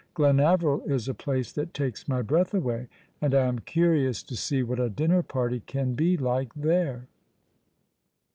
Glenaveril is a place that takes my breath away ; and I am curious to see what a dinner party can be like there."